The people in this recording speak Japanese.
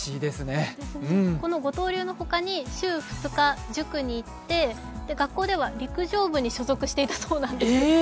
この五刀流のほかに学校とか塾に行って、学校では陸上部に所属していたそうです。